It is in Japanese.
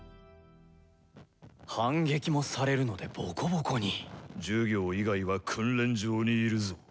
反撃もされるのでボコボコに。授業以外は訓練場にいるぞ。